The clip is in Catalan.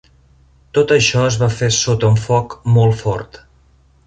Tot això es va fer sota un foc molt fort.